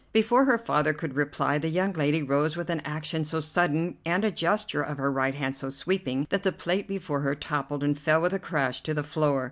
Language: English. Before her father could reply, the young lady rose with an action so sudden and a gesture of her right hand so sweeping that the plate before her toppled and fell with a crash to the floor.